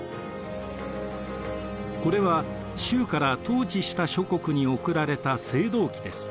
これは周から統治した諸国に送られた青銅器です。